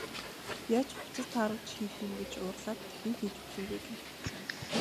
Яаж хувцас тааруулж хийх юм гэж уурлаад дахин хийж өгсөнгүй гэнэ.